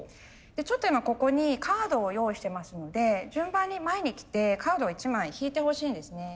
ちょっと今ここにカードを用意してますので順番に前に来てカードを１枚引いてほしいんですね。